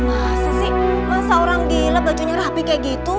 masa sih masa orang gila bajunya rapi kayak gitu